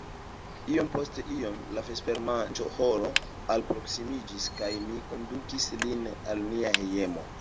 Iom post iom la vespermanĝhoro alproksimiĝis kaj mi kondukis lin al nia hejmo.